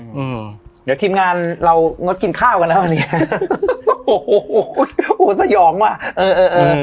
อืมเดี๋ยวทีมงานเรางดกินข้าวกันแล้ววันนี้โอ้โหสยองว่ะเออเออเออ